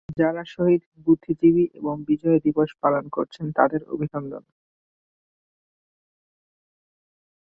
এবার যাঁরা শহীদ বুদ্ধিজীবী এবং বিজয় দিবস পালন করেছেন তাঁদের অভিনন্দন।